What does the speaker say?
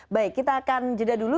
baik kita akan jeda dulu